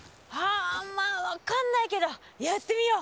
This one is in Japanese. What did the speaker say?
まあ分かんないけどやってみよう。